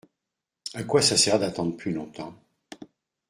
À quoi ça sert d’attendre plus longtemps ?